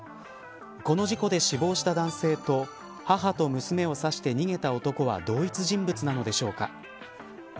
この事故で死亡した男性と母と娘を刺して逃げた男は同一人物なのでしょうか。